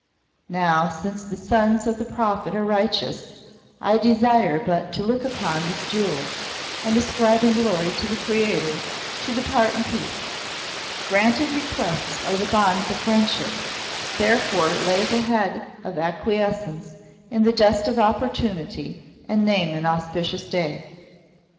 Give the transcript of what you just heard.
Now, since the sons of the Prophet are righteous, I desire but to look upon this jewel, and ascribing glory to the Creator, to depart in peace. Granted requests are the bonds of friendship; therefore lay the head of acquiescence in the dust of opportunity and name an auspicious day.